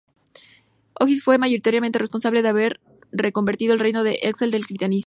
Oswiu fue mayoritariamente responsable de haber reconvertido el Reino de Essex al cristianismo.